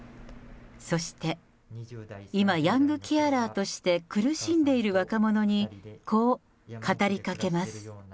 そして、今、ヤングケアラーとして苦しんでいる若者に、こう語りかけます。